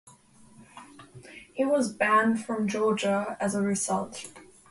He was banned from Georgia as a result.